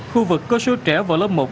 khu vực có số trẻ vào lớp một